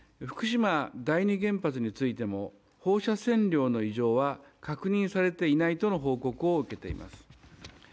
福島第二原発についても放射線量の異常は確認されていないとの報告を受けています。